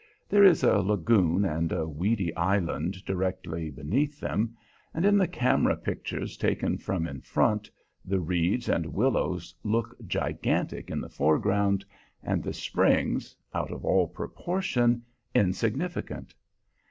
There is a lagoon and a weedy island directly beneath them, and in the camera pictures taken from in front, the reeds and willows look gigantic in the foreground, and the Springs out of all proportion insignificant.